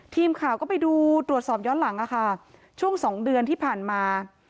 ทีมข่าวก็ไปดูตรวจสอบย้อนหลังค่ะช่วง๒เดือนที่ผ่านมา